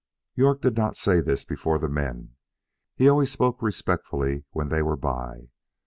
York did not say this before the men; he always spoke respectfully when they were by.